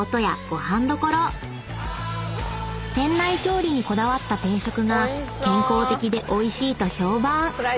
［店内調理にこだわった定食が健康的でおいしいと評判］